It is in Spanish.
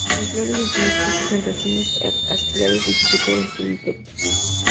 Sus flores están dispuestas en racimos axilares y su fruto es una drupa.